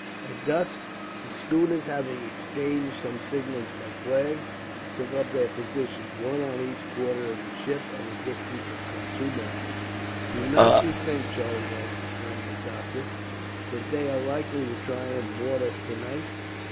At dusk the schooners, having exchanged some signals by flags, took up their positions, one on each quarter of the ship, at a distance of some two miles. "Do not you think," Charlie asked his friend the doctor, "that they are likely to try and board us tonight?"